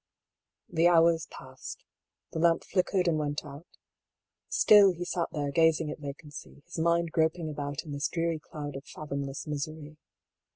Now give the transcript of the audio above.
Th^ hours passed. The lamp flickered and went out. Still he sat there gazing at vacancy, his mind groping about in this dreary cloud of fathomless misery.